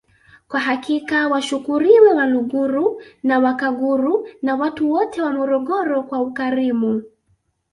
Kwa hakika washukuriwe Waluguru na Wakaguru na watu wote wa Morogoro kwa ukarimu